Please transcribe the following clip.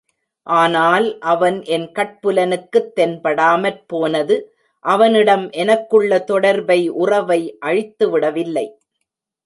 ஆனால் அவன் என் கட்புலனுக்குத் தென்படாமற் போனது அவனிடம் எனக்குள்ள தொடர்பை உறவை அழித்துவிடவில்லை.